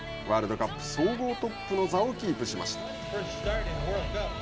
ワールドカップ総合トップの座をキープしました。